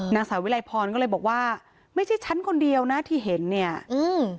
นางสาวิลัยพรก็เลยบอกว่าไม่ใช่ฉันคนเดียวนะที่เห็นเนี่ยอืม